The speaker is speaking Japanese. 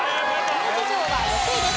姫路城は６位です。